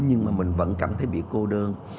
nhưng mà mình vẫn cảm thấy bị cô đơn